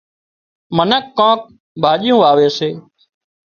منک ڪانڪ ڀاڄيون واوي سي